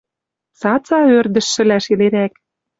Цаца ӧрдӹш шӹлӓш йӹлерӓк.